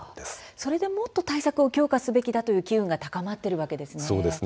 それでもっと対策を強化すべきだという機運が高まっているんですね。